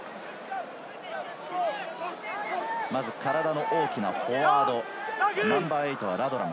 体の大きなフォワード、ナンバー８はラドラム。